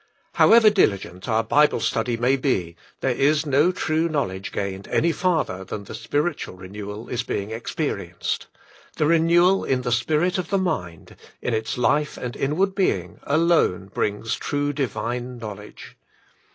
^' How ever diligent our Bible study may be, there is no true knowledge gained any farther than the spiritual renewal is being experienced; "the re newal in the spirit of the mind," in its life and inward being, alone brings true Divine knowledge.